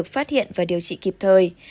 phát hiện và điều trị kịp thời